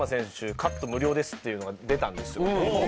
カット無料ですっていうのが出たんですよ